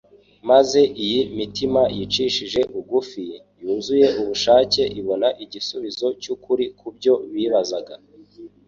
maze iyi mitima yicishije bugufi, yuzuye ubushake ibona igisubizo cy'ukuri ku byo bibazaga.